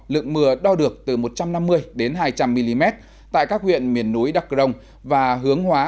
lượng mưa đo được từ một trăm năm mươi đến hai trăm linh mm tại các huyện miền núi đắk rồng và hướng hóa